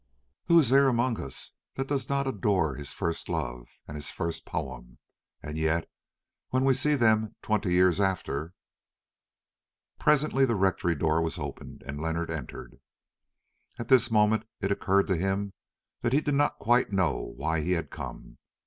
Who is there among us that does not adore his first love and his first poem? And yet when we see them twenty years after! Presently the Rectory door was opened and Leonard entered. At this moment it occurred to him that he did not quite know why he had come.